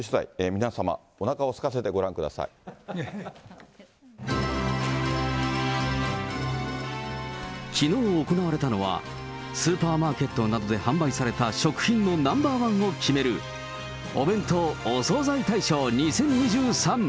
皆様、おなかをすかきのう行われたのは、スーパーマーケットなどで販売された食品のナンバーワンを決める、お弁当・お惣菜大賞２０２３。